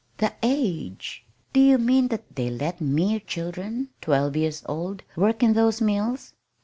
"The age! Do you mean that they let mere children, twelve years old, work in those mills?"